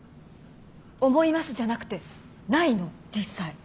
「思います」じゃなくてないの実際。